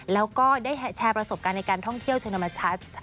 แล้วก็ได้แชร์ประสบการณ์ในการท่องเที่ยวชนธรรมชาติ